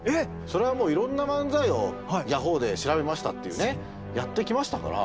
それはもういろんな漫才を「ヤホーで調べました」っていうねやってきましたから。